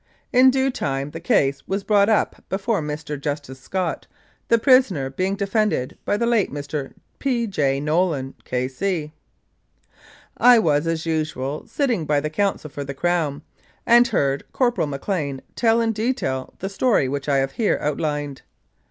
In due time the case was brought up before Mr. Justice Scott, the prisoner being defended by the late Mr. P. J. Nolan, K.C. I was, as usual, sitting by the counsel for the Crown, and heard Corporal McLean tell in detail the story which I have here outlined.